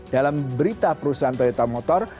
dalam berita perusahaan toyota motor